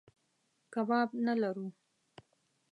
کباب نه لرو.